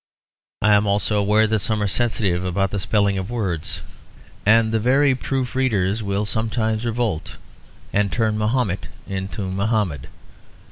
I am also aware that some are sensitive about the spelling of words; and the very proof readers will sometimes revolt and turn Mahomet into Mohammed.